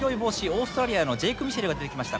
オーストラリアのジェイク・ミシェルが出てきました。